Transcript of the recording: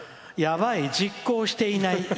やばい、実行していない。